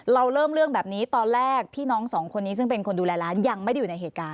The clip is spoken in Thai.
เราเริ่มเรื่องแบบนี้ตอนแรกพี่น้องสองคนนี้ซึ่งเป็นคนดูแลร้านยังไม่ได้อยู่ในเหตุการณ์